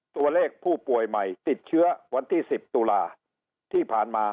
ตัวเลขผู้ป่วยใหม่ติดเชื้อวันที่๑๐ตุลาที่ผ่านมา